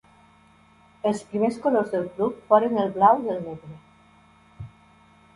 Els primers colors del club foren el blau i el negre.